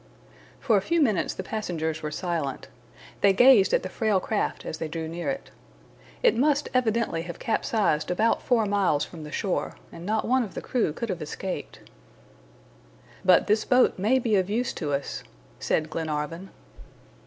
For a few minutes the passengers were silent. They gazed at the frail craft as they drew near it. It must evidently have capsized about four miles from the shore, and not one of the crew could have escaped. "But this boat may be of use to us," said Glenarvan.